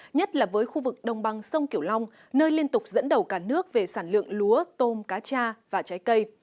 nhất là với khu vực đồng bằng sông kiểu long nơi liên tục dẫn đầu cả nước về sản lượng lúa tôm cá cha và trái cây